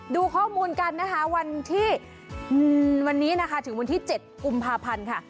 ดูข้อมูลกันนะคะวันที่วันนี้นะคะถึงวันที่๗กุมภาพันธ์ค่ะ